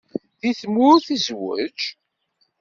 Deg tmurt i tezweǧ?